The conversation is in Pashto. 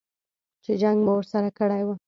چې جنګ مو ورسره کړی و.